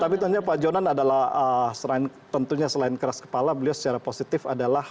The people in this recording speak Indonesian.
tapi tentunya pak jonan adalah tentunya selain keras kepala beliau secara positif adalah